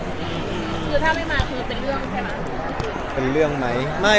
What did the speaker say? ถ้าไม่มาคือเป็นเรื่องใช่มั้ย